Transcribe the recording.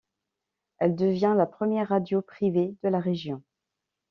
Elle devient la première radio privée de la région.